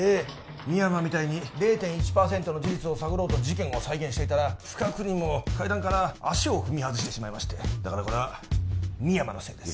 深山みたいに０．１パーセントの事実を探ろうと事件を再現していたら不覚にも階段から足を踏み外してしまいましてだからこれは深山のせいです